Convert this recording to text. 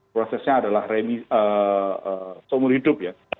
prosesnya adalah seumur hidup ya